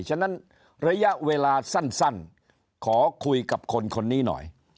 ฉะนั้นระยะเวลาสั้นขอคุยกับคนคนนี้หน่อย